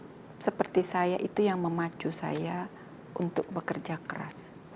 yang seperti saya itu yang memacu saya untuk bekerja keras